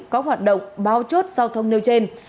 có hoạt động bao chốt giao thông nêu trên